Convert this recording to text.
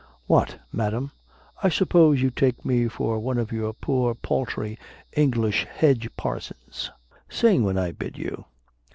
"What, madam, I suppose you take me for one of your poor paltry English hedge parsons; sing, when I bid you!"